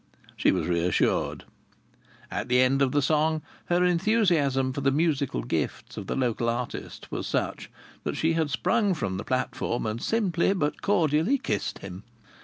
she was reassured. At the end of the song her enthusiasm for the musical gifts of the local artist was such that she had sprung from the platform and simply but cordially kissed him.